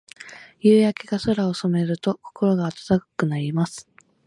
夕焼けが空を染めると、心が温かくなります。